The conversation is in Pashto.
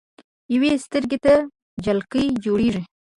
يوې سترګې ته جالکي جوړيږي